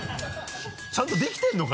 ちゃんとできてるのか？